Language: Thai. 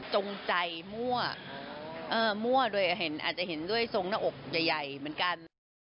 จงใจมั่มั่วด้วยอาจจะเห็นด้วยทรงหน้าอกใหญ่เหมือนกัน